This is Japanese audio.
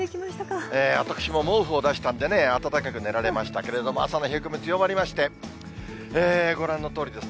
私も毛布を出したんでね、暖かく寝られましたけど、朝の冷え込み、強まりまして、ご覧のとおりです。